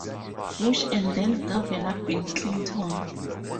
Bush and then-Governor Bill Clinton.